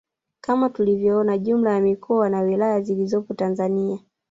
Kama tulivyoona jumla ya mikoa na wilaya zilizopo Tanzania